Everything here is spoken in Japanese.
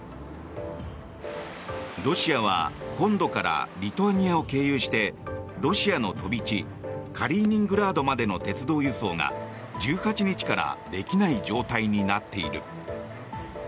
ロシアは本土からリトアニアを経由してロシアの飛び地カリーニングラードまでの鉄道輸送が１８日からできない状態になっている。